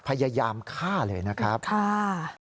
พยายามฆ่าเลยนะครับค่ะ